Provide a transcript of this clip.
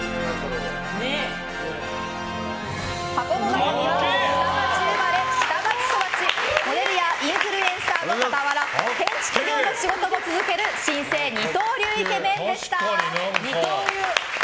箱の中身は下町生まれ下町育ちモデルやインフルエンサーの傍ら建築業の仕事も続ける新星二刀流イケメンでした。